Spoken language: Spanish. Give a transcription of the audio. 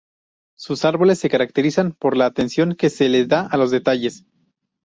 Sus árboles se caracterizan por la atención que se le da a los detalles.